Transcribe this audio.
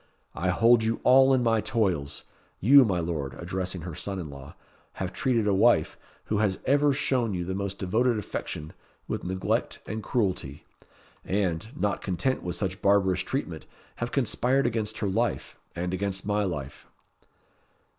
"I hold you all in my toils. You, my Lord," addressing her son in law, "have treated a wife, who has ever shown you the most devoted affection, with neglect and cruelty, and, not content with such barbarous treatment, have conspired against her life, and against my life."